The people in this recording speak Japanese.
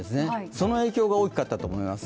その影響が大きかったと思います。